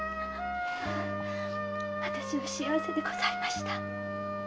私は幸せでございました。